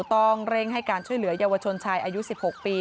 ต้องเร่งให้การช่วยเหลือเยาวชนชายอายุ๑๖ปี